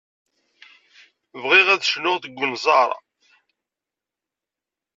Bɣiɣ ad cnuɣ deg unẓar.